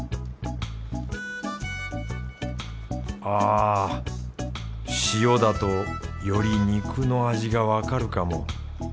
あぁ塩だとより肉の味がわかるかも。